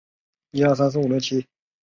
时万历辛己岁正月十九日也。